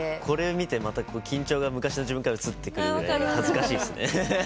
これを見て緊張が昔の自分からうつってくるぐらい恥ずかしいですね。